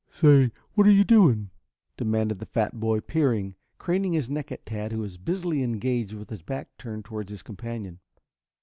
"Say, what are you doing?" demanded the fat boy, peering, craning his neck at Tad who was busily engaged with his back turned towards his companion.